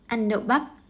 ăn đậu bắp